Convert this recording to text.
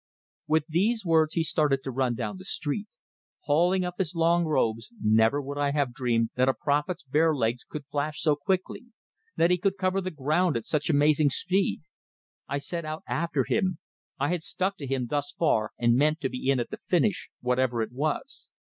With these words he started to run down the street; hauling up his long robes never would I have dreamed that a prophet's bare legs could flash so quickly, that he could cover the ground at such amazing speed! I set out after him; I had stuck to him thus far, and meant to be in at the finish, whatever it was.